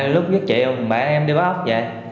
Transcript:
lúc giết chị bạn em đi bắt ốc vậy